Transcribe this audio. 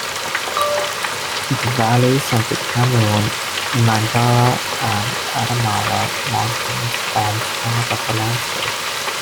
The valleys of the Cameroon, Mandara and Adamawa mountains form part of the landscape.